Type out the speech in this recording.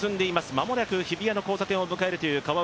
間もなく日比谷の交差点を迎えます。